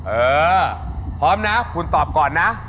เออพร้อมนะคุณตอบก่อนนะ